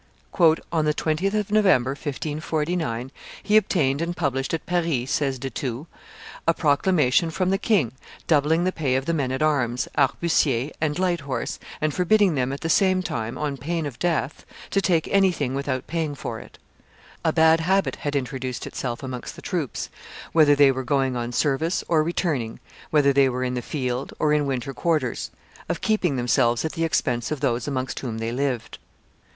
"On the 20th of November, 1549, he obtained and published at Paris," says De Thou, "a proclamation from the king doubling the pay of the men at arms, arquebusiers and light horse, and forbidding them at the same time, on pain of death, to take anything without paying for it. A bad habit had introduced itself amongst the troops, whether they were going on service or returning, whether they were in the field or in winter quarters, of keeping themselves at the expense of those amongst whom they lived.